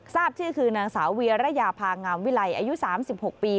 ทราบชื่อคือนางสาวเวียระยาภางามวิไลอายุ๓๖ปี